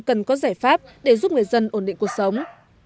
cần có giải pháp để giúp người dân ổn định cuộc sống